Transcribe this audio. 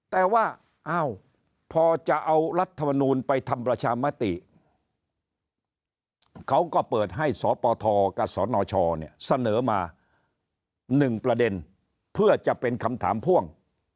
แต่ว่าพอจะเอารัฐมนูลไปทำประชามติเขาก็เปิดให้สปทกับสนชเนี่ยเสนอมา๑ประเด็นเพื่อจะเป็นคำถามพ่วง